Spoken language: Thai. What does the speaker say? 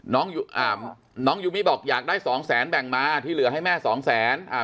น้องอ่าน้องยูมี่บอกอยากได้สองแสนแบ่งมาที่เหลือให้แม่สองแสนอ่า